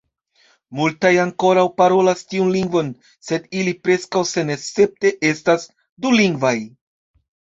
Multaj ankoraŭ parolas tiun lingvon, sed ili preskaŭ senescepte estas dulingvaj.